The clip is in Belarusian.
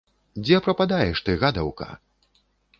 Дзе прападаеш ты, гадаўка?